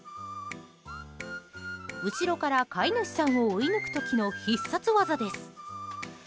後ろから飼い主さんを追い抜く時の必殺技です。